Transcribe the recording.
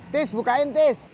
tis bukain tis